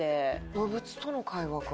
動物との会話か。